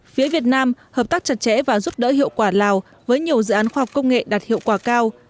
phía việt nam hợp tác chặt chẽ và giúp đỡ hiệu quả lào với nhiều dự án khoa học công nghệ đạt hiệu quả cao